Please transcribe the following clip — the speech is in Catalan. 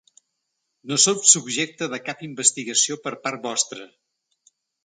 No sóc subjecte de cap investigació per part vostra.